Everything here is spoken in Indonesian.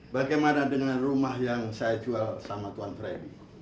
bagaimana dengan rumah yang saya jual sama tuan freddy